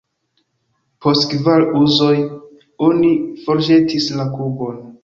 Post kvar uzoj, oni forĵetis la kubon.